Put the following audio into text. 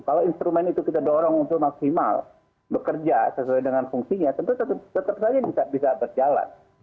kalau instrumen itu kita dorong untuk maksimal bekerja sesuai dengan fungsinya tentu tetap saja bisa berjalan